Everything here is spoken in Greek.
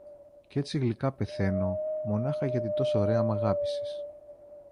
κ’ έτσι γλυκά πεθαίνω, μονάχα γιατί τόσο ωραία μ’ αγάπησες.